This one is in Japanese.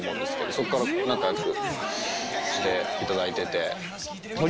そこから仲良くしていただいてて。